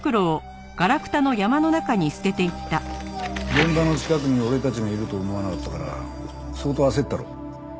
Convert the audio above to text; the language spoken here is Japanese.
現場の近くに俺たちがいると思わなかったから相当焦ったろ？